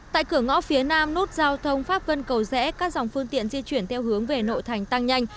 tại cửa ngõ phía nam nút giao thông pháp vân cầu rẽ các dòng phương tiện di chuyển theo hướng về nội thành tăng nhanh